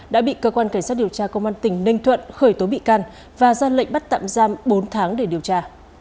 đã bị cơ quan cảnh sát điều tra công an tỉnh ninh thuận khởi tố bị can và ra lệnh bắt tạm giam bốn tháng để điều tra